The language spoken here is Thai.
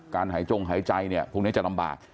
การหายจงหายใจพรุ่งนี้จะลำบาก